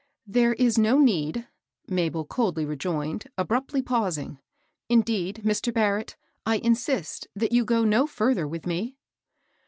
" There is no need," Mabel coldly rejoined, ab ruptly pausing. " Indeed, Mr. Barrett, I insist that you go no fiirther with me."